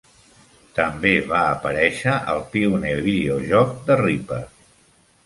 També va aparèixer al pioner videojoc de "Ripper".